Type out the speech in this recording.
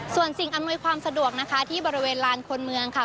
ส่วนสิ่งอำนวยความสะดวกนะคะที่บริเวณลานคนเมืองค่ะ